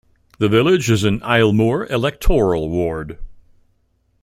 The village is in 'Islemoor' electoral ward.